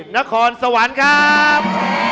นครสวรรค์ครับ